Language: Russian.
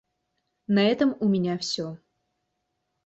На этом у меня все.